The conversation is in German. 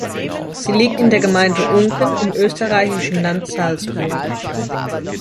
Sie liegt in der Gemeinde Unken im österreichischen Land Salzburg.